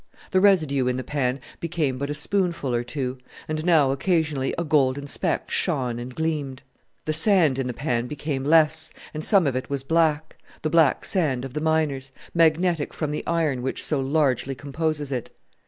The residue in the pan became but a spoonful or two, and now occasionally a golden speck shone and gleamed. The sand in the pan became less, and some of it was black the black sand of the miners, magnetic from the iron which so largely composes it.